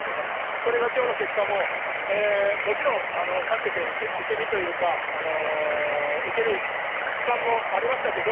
それが今日の結果も、勝ってて受け身というか受ける時間もありましたけど